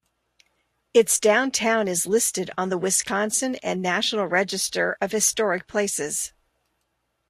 Its downtown is listed on the Wisconsin and National Register of Historic Places.